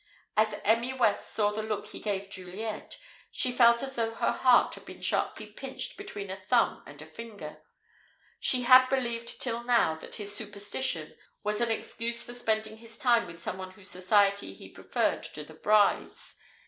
As Emmy West saw the look he gave Juliet, she felt as though her heart had been sharply pinched between a thumb and a finger. She had believed till now that his "superstition" was an excuse for spending his time with someone whose society he preferred to the bride's.